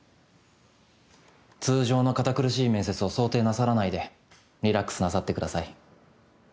通常の堅苦しい面接を想定なさらないでリラックスなさってください。